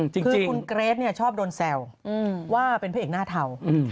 คือคุณเกรทชอบโดนแซวว่าเป็นพระเอกหน้าเทา